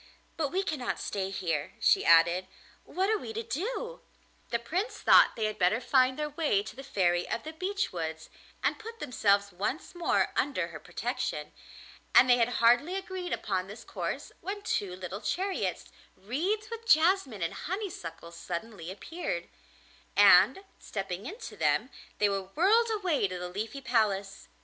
But we cannot stay here,' she added; 'what are we to do?' The Prince thought they had better find their way to the Fairy of the Beech Woods and put themselves once more under her protection, and they had hardly agreed upon this course when two little chariots wreathed with jasmine and honeysuckle suddenly appeared, and, stepping into them, they were whirled away to the Leafy Palace.